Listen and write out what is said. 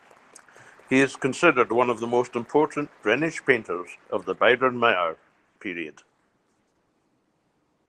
He is considered one of the most important Rhenish painters of the Biedermeier period.